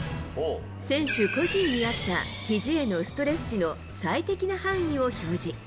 選手個人に合った、ひじへのストレス値の最適な範囲を表示。